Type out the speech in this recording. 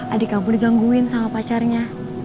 adik kamu digangguin sama pacarnya